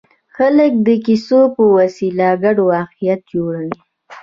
خلک د کیسو په وسیله ګډ واقعیت جوړوي.